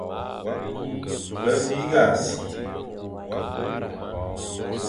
Be bîgha si,